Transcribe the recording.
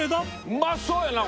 うまそうやな